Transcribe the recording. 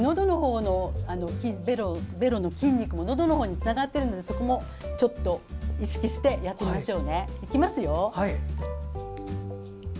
ベロの筋肉も、のどのほうにつながっているのでそこも意識してやってみましょう。